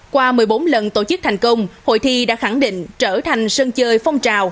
qua một mươi bốn lần tổ chức thành công hội thi đã khẳng định trở thành sân chơi phong trào